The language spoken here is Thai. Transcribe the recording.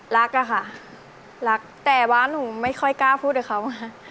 รักล่ะค่ะรักแต่ว่าหนูไม่ค่อยกล้าพูดอีกครั้ว